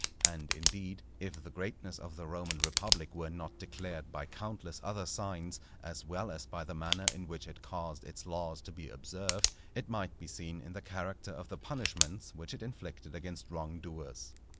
And, indeed, if the greatness of the Roman Republic were not declared by countless other signs, as well as by the manner in which it caused its laws to be observed, it might be seen in the character of the punishments which it inflicted against wrong doers.